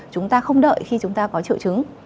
chúng ta không đợi khi chúng ta có triệu chứng